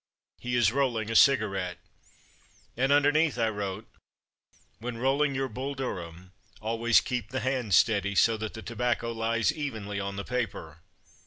He is rolling a cigarette, and underneath I wrote: ^' When rolling your Bull Durham, always keep the hands steady so that the tobacco lies evenly on the paper.